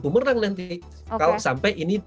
bumerang nanti kalau sampai ini